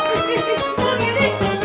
pelangin kita pelangin